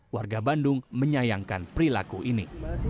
warga bandung menyayangkan perilaku ini